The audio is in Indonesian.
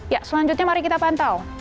ya selanjutnya mari kita pantau